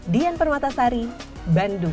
dian permatasari bandung